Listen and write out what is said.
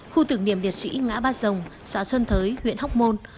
khu tưởng niệm liệt sĩ ngã ba rồng xã xuân thới huyện hóc môn